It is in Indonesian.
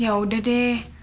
ya udah deh